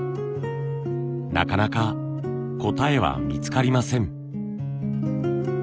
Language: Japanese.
なかなか答えは見つかりません。